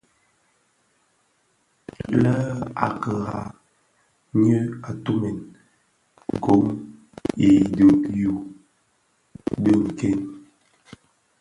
Lèn a kirara nyi tumè gom i dhyu di nken.